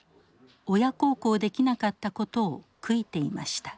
親孝行できなかったことを悔いていました。